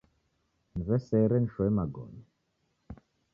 Niw'esere nishoe magome